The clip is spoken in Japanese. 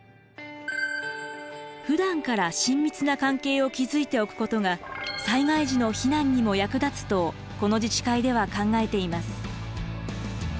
ふだんから親密な関係を築いておくことが災害時の避難にも役立つとこの自治会では考えています。